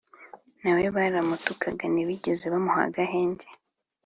na we baramutukaga ntibigeze bamuha agahenge